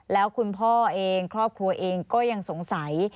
แล้วคุณพ่อเองครอบครัวเองก็ยังสงสัย